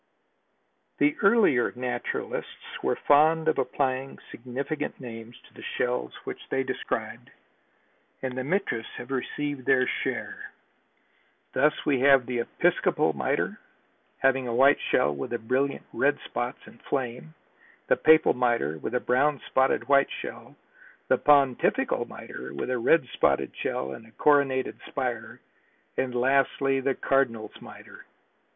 The earlier naturalists were fond of applying significant names to the shells which they described and the Mitras have received their share. Thus we have the episcopal miter, having a white shell with brilliant red spots and flame; the papal miter, with a brown spotted white shell; the pontifical miter, with a red spotted shell and a coronated spire, and lastly the cardinal's miter.